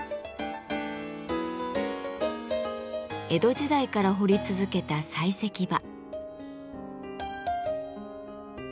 江戸時代から掘り続けた採石場。